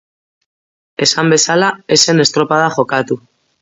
Esan bezala, ez zen estropada jokatu.